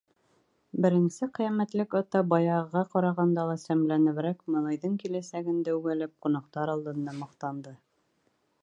Беренсе ҡиәмәтлек ата, баяғыға ҡарағанда ла сәмләнеберәк, малайҙың киләсәген дәүгәләп, ҡунаҡтар алдында маҡтанды: